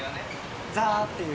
ザーっていう。